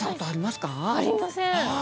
ありません！